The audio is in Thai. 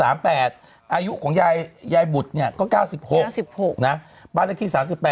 อายุของยายบุตรเนี่ยก็๙๖๖นะบ้านเลขที่๓๘